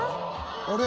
あれ？